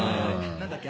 何だっけ？